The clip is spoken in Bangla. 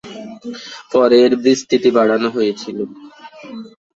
পরে এর বিস্তৃতি বাড়ানো হয়েছিল।